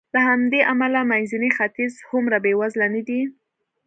له همدې امله منځنی ختیځ هومره بېوزله نه دی.